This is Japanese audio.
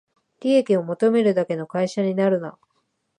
利益を求めるだけの会社になるな